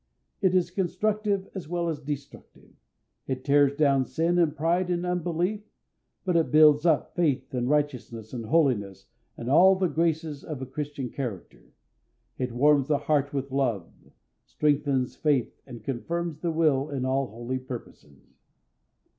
It is constructive, as well as destructive. It tears down sin and pride and unbelief, but it builds up faith and righteousness and holiness and all the graces of a Christian character. It warms the heart with love, strengthens faith, and confirms the will in all holy purposes.